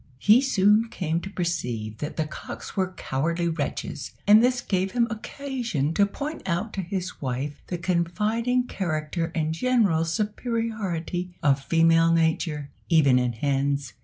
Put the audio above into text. He soon came to perceive that the cocks were cowardly wretches, and this gave him occasion to point out to his wife the confiding character and general superiority of female nature, even in hens.